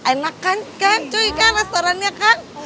enak kan cuy kan restorannya kan